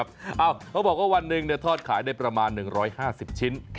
ใช่ครับเขาบอกว่าวันหนึ่งเนี่ยทอดขายได้ประมาณ๑๕๐ชิ้น